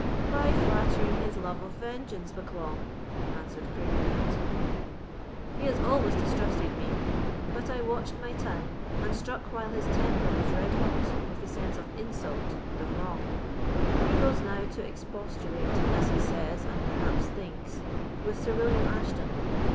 "By flattering his love of vengeance, Bucklaw," answered Craigengelt. "He has always distrusted me; but I watched my time, and struck while his temper was red hot with the sense of insult and of wrong. He goes now to expostulate, as he says, and perhaps thinks, with Sir William Ashton.